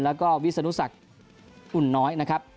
และวิสนุสักหุ่นน้อยนะครับ